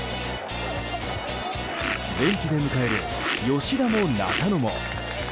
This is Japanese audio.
ベンチで迎える吉田も中野も。